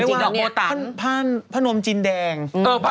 หรือว่าผ้านวมจินแดง